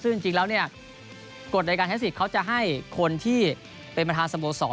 ซึ่งจริงแล้วเนี่ยกฎในการใช้สิทธิ์เขาจะให้คนที่เป็นประธานสโมสร